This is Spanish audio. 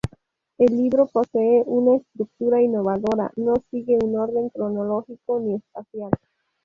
El libro posee una estructura innovadora, no sigue un orden cronológico ni espacial.